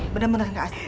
bener bener gak asik